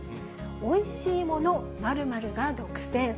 おいしいもの○○が独占。